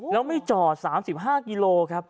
แล้วไม่จอด๓๕กิโลครับ